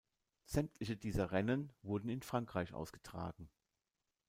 Sämtliche dieser Rennen wurden in Frankreich ausgetragen.